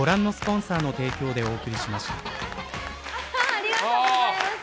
ありがとうございます。